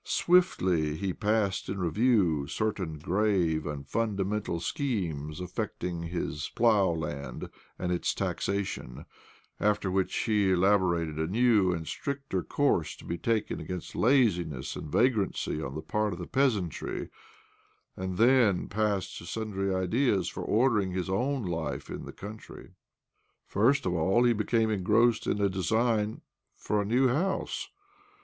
Swiftly he passed in review certain grave and funda mental schemes affecting his plough land and its taxation ; after which he elaborated a new and stricter course to be taken against laziness and vagrancy on the part of the peasantry, and then passed to sundry ideas for ordering his own life in the country. First of all, he became engrossed in a design for a new house.